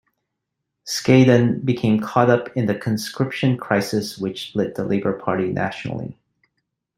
Scaddan became caught up in the conscription crisis which split the Labor Party nationally.